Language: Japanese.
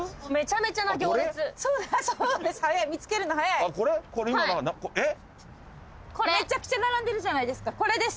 めちゃくちゃ並んでるじゃないですかこれです。